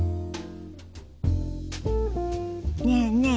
ねえねえ。